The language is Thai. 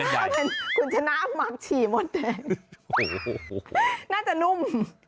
น่าจะนุ่ม